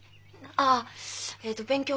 あえっと勉強。